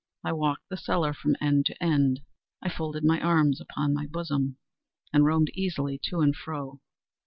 I walked the cellar from end to end. I folded my arms upon my bosom, and roamed easily to and fro.